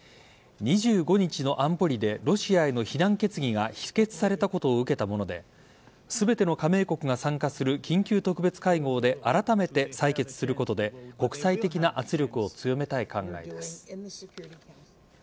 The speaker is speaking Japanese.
２５日の安保理でロシアへの非難決議が否決されたことを受けたもので全ての加盟国が参加する緊急特別会合であらためて採決することで国際的な圧力を強めたい考えです。